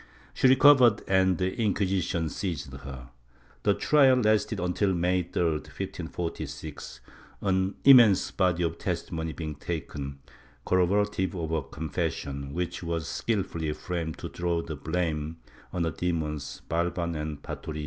She recovered and the Inquisition seized her. The trial lasted until May 3, 1546, an immense body of testimony being taken, corroborative of her confession, which was skilfully framed to throw the blame on her demons Balban and Patorrio.